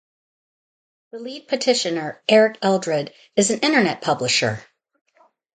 The lead petitioner, Eric Eldred, is an Internet publisher.